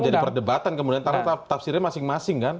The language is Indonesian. itu yang menjadi perdebatan kemudian tafsirnya masing masing kan